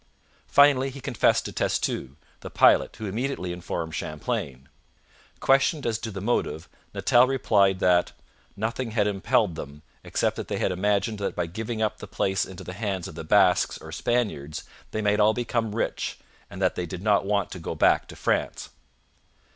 Finally he confessed to Testu, the pilot, who immediately informed Champlain. Questioned as to the motive, Natel replied that 'nothing had impelled them, except that they had imagined that by giving up the place into the hands of the Basques or Spaniards they might all become rich, and that they did not want to go back to France.'